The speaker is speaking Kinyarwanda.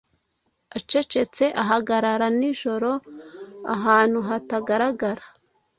acecetse ahagarara nijoro ahantu hatagaragara